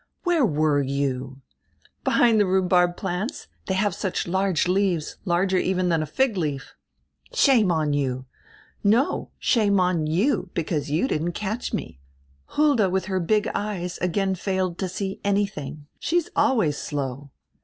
"Where were you?" "Behind die rhubarb plants; diey have such large leaves, larger even dian a fig leaf." "Shame on you." "No, shame on you, because you didn't catch me. Hulda, widi her big eyes, again failed to see anything. She is always slow."